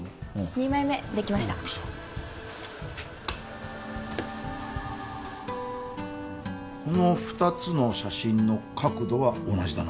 ２枚目できましたおうビックリしたこの２つの写真の角度は同じだな